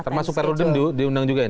termasuk perludem diundang juga ini